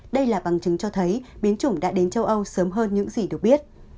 đây là bằng chứng cho thấy biến chủng đã đến châu âu sớm hơn những gì được biết